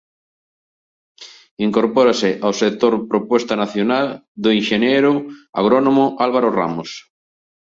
Se incorpora al sector Propuesta Nacional del ingeniero agrónomo Álvaro Ramos.